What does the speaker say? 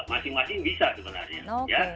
masing masing bisa sebenarnya